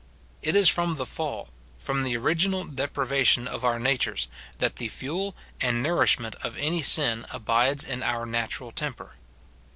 It is from the fall, from the original depravation of our natures, that the fuel and nourish ment of any sin abides in our natural temper.